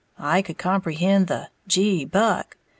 I could comprehend the "Gee, Buck!"